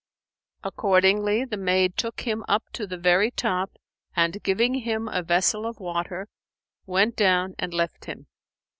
Accordingly the maid took him up to the very top and, giving him a vessel of water, went down and left him.